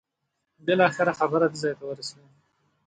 بالاخره خبره دې ځای ورسېده.